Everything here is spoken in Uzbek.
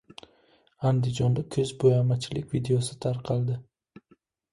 Andijonda ko‘zbo‘yamachilik videosi tarqaldi